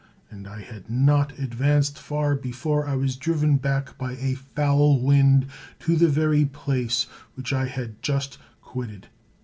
And I had not advanced far before I was driven back by a foul wind to the very place which I had just quitted.